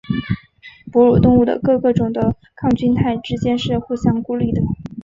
哺乳动物的各个种的抗菌肽之间是互相孤立的。